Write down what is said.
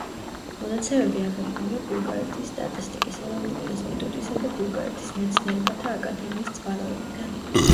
მონაცემები აღებულია ბულგარეთის სტატისტიკის ეროვნული ინსტიტუტისა და ბულგარეთის მეცნიერებათა აკადემიის წყაროებიდან.